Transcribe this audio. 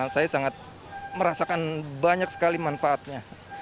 saya sangat merasakan banyak sekali manfaatnya